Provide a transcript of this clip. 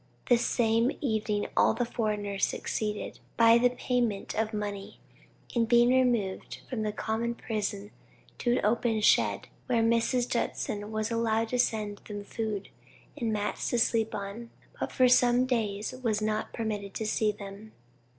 '" The same evening all the foreigners succeeded, by the payment of money, in being removed from the common prison to an open shed, where Mrs. Judson was allowed to send them food, and mats to sleep on, but for some days was not permitted to see them.